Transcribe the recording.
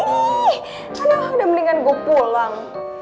aduh udah mendingan gue pulang